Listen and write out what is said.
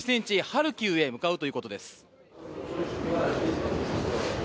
ハルキウに向かうということです。